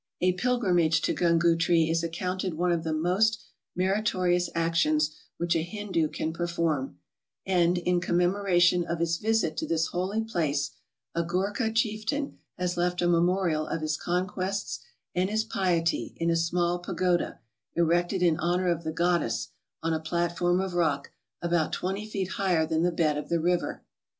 A pilgrimage to Gungootree is accounted one of the most meritorious actions which a Hindoo can perform ; and, in commemoration of his visit to this holy place, a Ghoorka chieftain has left a memorial of his conquests and his piety, in a small pagoda, erected in honour of the goddess, on a platform of rock, about twenty feet higher than the bed of the river.